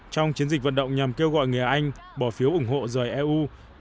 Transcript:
trong chiến dịch vận động nhằm kêu gọi người anh bỏ phiếu ủng hộ rời eu